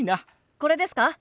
これですか？